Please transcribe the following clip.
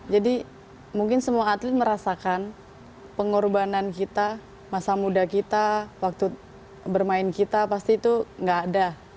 jadi mungkin semua atlet merasakan pengorbanan kita masa muda kita waktu bermain kita pasti itu nggak ada